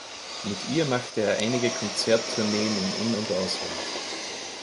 Mit ihr machte er einige Konzerttourneen im In- und Ausland.